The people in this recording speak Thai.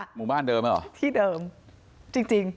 หมู่บ้านเดิมหรอที่เดิมจริง